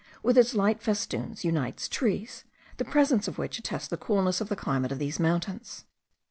with its light festoons unites trees, the presence of which attests the coolness of the climate of these mountains.